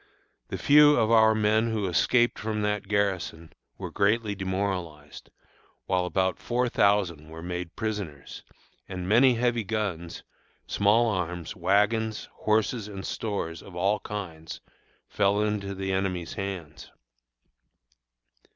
The few of our men who escaped from that garrison, were greatly demoralized, while about four thousand were made prisoners, and many heavy guns, small arms, wagons, horses, and stores of all kinds fell into the enemy's hands.